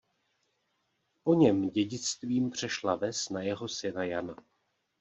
Po něm dědictvím přešla ves na jeho syna Jana.